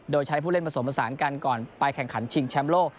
โดยใช้ผู้เล่นผสมผสานกันก่อนไปแข่งขันชิงแชมป์โลก